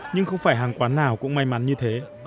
nhưng không phải hàng quán nào cũng may mắn như thế